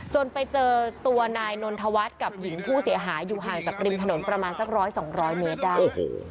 ไปเจอตัวนายนนทวัฒน์กับหญิงผู้เสียหายอยู่ห่างจากริมถนนประมาณสัก๑๐๐๒๐๐เมตรได้